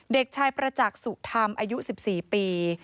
เด็กชายประจักษ์สุธรรมอายุ๑๔ปี